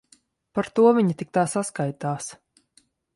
Par to viņa tik tā saskaitās.